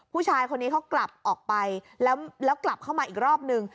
ผู้ชายคนนี้เขากลับออกไปแล้วกลับเข้ามาอีกรอบนึง